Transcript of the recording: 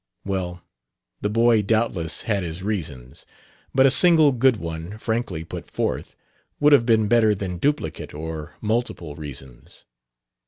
Well, the boy doubtless had his reasons. But a single good one, frankly put forth, would have been better than duplicate or multiple reasons.